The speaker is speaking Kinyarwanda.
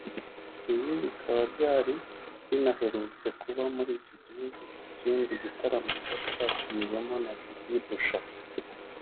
ibi bikaba byari binaherutse kuba muri iki gihugu ku kindi gitaramo cyari cyatumiwemo Judy Boucher